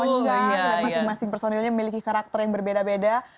masing masing personilnya memiliki karakter yang berbeda beda